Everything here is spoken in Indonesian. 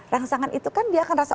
rangsangan itu kan dia akan rasa